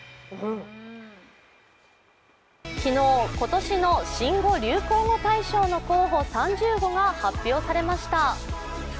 昨日、今年の新語・流行語大賞の候補３０語発表されました。